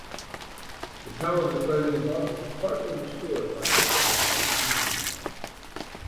The power of the president's office was partially restored by the Seventeenth Amendment.